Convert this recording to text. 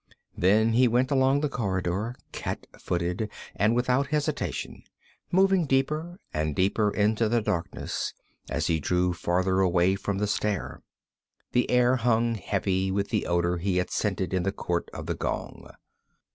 Then he went along the corridor, cat footed, and without hesitation, moving deeper and deeper into the darkness as he drew farther away from the stair. The air hung heavy with the odor he had scented in the court of the gong.